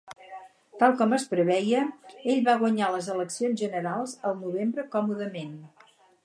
Tal com es preveia, ell va guanyar les eleccions generals al novembre còmodament.